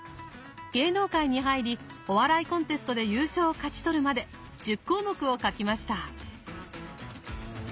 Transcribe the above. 芸能界に入りお笑いコンテストで優勝を勝ち取るまで１０項目を書きました。